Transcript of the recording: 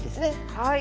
はい。